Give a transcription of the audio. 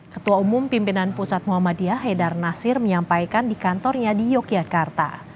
ketua umum pimpinan pusat muhammadiyah haidar nasir menyampaikan di kantornya di yogyakarta